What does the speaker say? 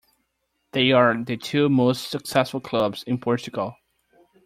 They are the two most successful clubs in Portugal.